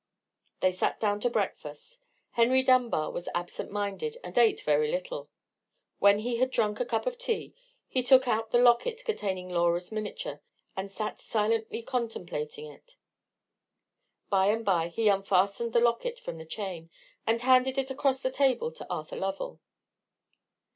They sat down to breakfast. Henry Dunbar was absent minded, and ate very little. When he had drunk a cup of tea, he took out the locket containing Laura's miniature, and sat silently contemplating it. By and by he unfastened the locket from the chain, and handed it across the table to Arthur Lovell.